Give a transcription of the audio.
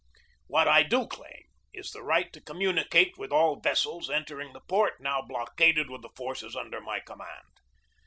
What I do claim is the right to communicate with all vessels entering this port, now blockaded with the forces under my command.